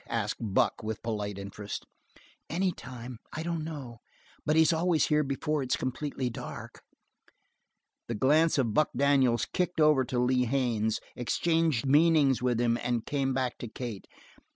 asked Buck, with polite interest. "Anytime. I don't know. But he's always here before it's completely dark." The glance of Buck Daniels kicked over to Lee Haines, exchanged meanings with him, and came back to Kate.